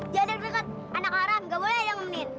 jangan deket deket anak haram gak boleh dengan menin